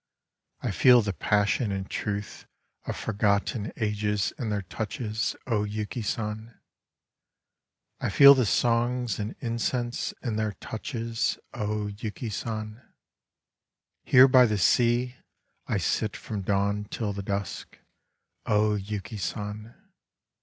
I feel the passion and Truth of forgotten ages in their touches, O Yuki San ! I feel the songs and incense in their touches, O Yuki San !.^' Here by the sea I sit from dawn till the dusk, O Yuki San